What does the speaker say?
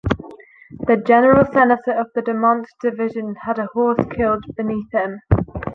The general senator of the Demont division had a horse killed beneath him.